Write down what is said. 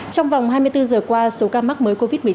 trong vòng hai mươi bốn giờ qua số ca mắc mới được phát hiện